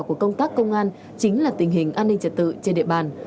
của công tác công an chính là tình hình an ninh trật tự trên địa bàn